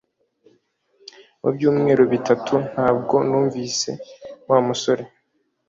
Mu byumweru bitatu ntabwo numvise Wa musore